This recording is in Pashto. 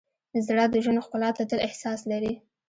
زړه د ژوند ښکلا ته تل احساس لري.